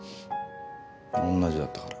同じだったから。